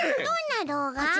どんな動画？